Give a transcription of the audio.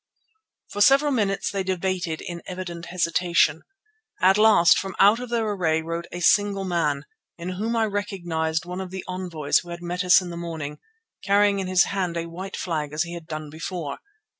For several minutes they debated in evident hesitation. At last from out of their array rode a single man, in whom I recognized one of the envoys who had met us in the morning, carrying in his hand a white flag as he had done before.